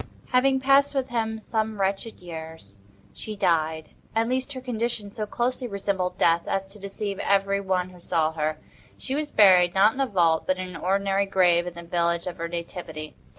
Having passed with him some wretched years, she died—at least her condition so closely resembled death as to deceive every one who saw her. She was buried——not in a vault, but in an ordinary grave in the village of her nativity.